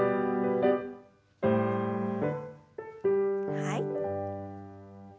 はい。